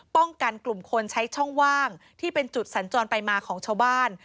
กลุ่มคนใช้ช่องว่างที่เป็นจุดสัญจรไปมาของชาวบ้าน